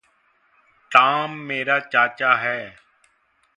Tom मेरा चाचा है।